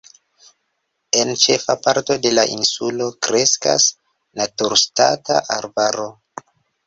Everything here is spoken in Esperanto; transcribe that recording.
En ĉefa parto de la insulo kreskas naturstata arbaro.